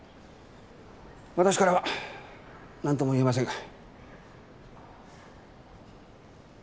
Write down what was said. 私からはなんとも言えませんが。